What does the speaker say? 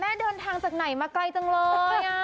เดินทางจากไหนมาไกลจังเลย